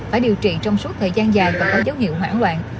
phải điều trị trong suốt thời gian dài và có dấu hiệu hoảng loạn